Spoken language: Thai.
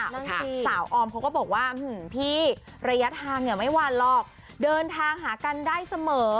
นั่นสิสาวออมเขาก็บอกว่าพี่ระยะทางเนี่ยไม่หวานหรอกเดินทางหากันได้เสมอ